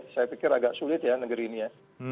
saya pikir agak sulit ya negeri ini ya